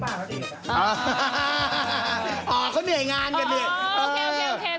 อ๋อเขาเหนื่อยงานกันเนี่ย